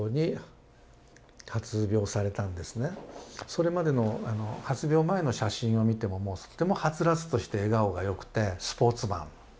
それまでの発病前の写真を見てももうとってもはつらつとして笑顔がよくてスポーツマン。